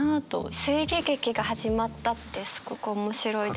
「推理劇が始まった」ってすごく面白いですよね。